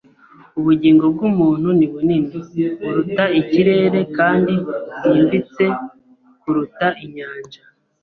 Ubugingo bwumuntu ni bunini kuruta ikirere kandi bwimbitse kuruta inyanja.